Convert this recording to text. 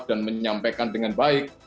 dan menyampaikan dengan baik